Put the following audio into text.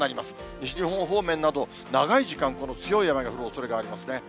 西日本方面など、長い時間、この強い雨が降るおそれがありますね。